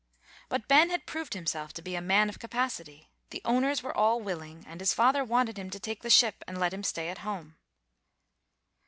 But Ben had proved himself to be a man of capacity. The owners were all willing, and his father wanted him to take the ship and let him stay at home.